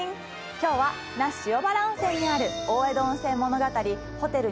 今日は那須塩原温泉にある大江戸温泉物語ホテル